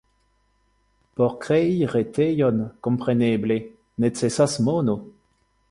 Por krei retejon, kompreneble, necesas mono.